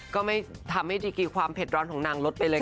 ก็ไม่ทำให้ดีกีความเผ็ดร้อนของนางลดไปเลย